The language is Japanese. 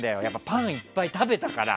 パンいっぱい食べたから。